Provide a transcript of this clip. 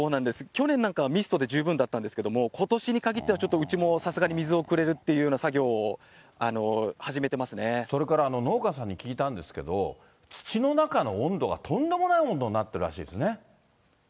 去年なんかはミストで十分だったんですけれども、ことしに限ってはちょっとうちもさすがに水をくれるっていうようそれから農家さんに聞いたんですけど、土の中の温度がとんでもない温度になってるらしいですね。